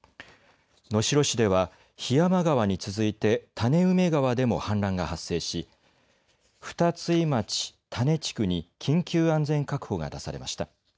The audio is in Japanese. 能代市では檜山川に続いて種梅川でも氾濫が発生し二ツ井町種地区に緊急安全確保が出されました。